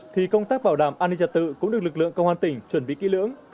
thì công tác bảo đảm an ninh trật tự cũng được lực lượng công an tỉnh chuẩn bị kỹ lưỡng